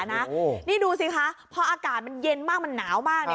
นี่ดูสิคะพออากาศมันเย็นมากมันหนาวมาก